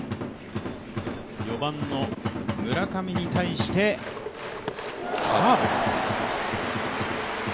４番の村上に対してカーブ。